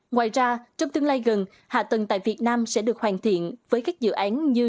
ngoài ra trong tương lai gần hạ tầng tại việt nam sẽ được hoàn thiện với các dự án như